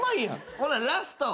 ほんならラスト。